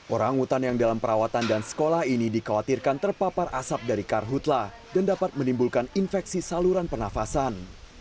orang hutan yang dalam perawatan dan sekolah ini dikhawatirkan terpapar asap dari karhutlah dan dapat menimbulkan infeksi saluran pernafasan